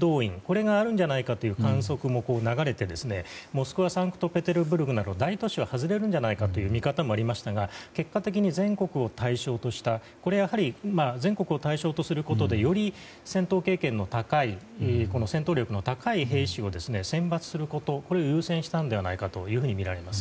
これがあるんじゃないかという観測も流れてモスクワサンクトペテルブルクなど大都市は外れるんじゃないかという見方もありましたが結果的に、全国を対象としたこれはやはり、全国を対象とすることでより戦闘経験の高い戦闘力の高い兵士を選抜することを優先したのではないかとみられます。